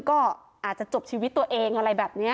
ก็อาจจะจบชีวิตตัวเองอะไรแบบนี้